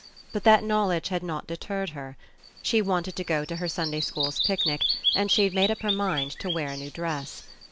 But that knowledge had not de terred her. She wanted to go to her Sunday school's picnic, and she had made up her mind to wear a new dress.